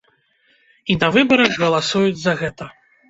І на выбарах галасуюць за гэта.